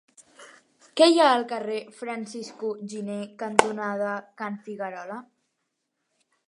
Què hi ha al carrer Francisco Giner cantonada Can Figuerola?